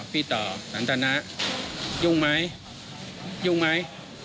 พี่ต่อสันทนะยุ่งมั้ยยุ่งมั้ย